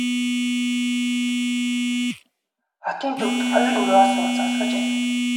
Хотын төвд хоёр өрөө сууц олгож аль.